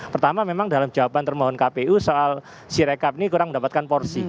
pertama memang dalam jawaban termohon kpu soal si rekap ini kurang mendapatkan porsi